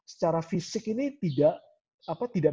secara fisik ini tidak